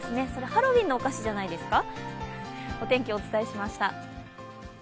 ハロウィーンのお菓子じゃないですか？